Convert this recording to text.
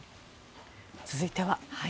続いては。